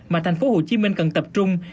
mà thành phố hồ chí minh cần tập trung